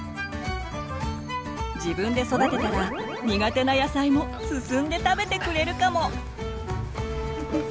自分で育てたら苦手な野菜も進んで食べてくれるかも！